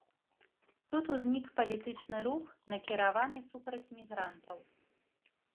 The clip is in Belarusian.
Тут узнік палітычны рух, накіраваны супраць мігрантаў.